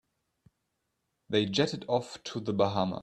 They jetted off to the Bahamas.